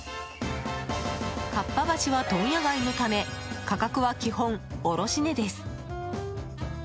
かっぱ橋は問屋街のため価格は基本、卸値です。